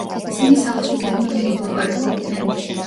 ისინი სახლში გერმანულად ლაპარაკობდნენ.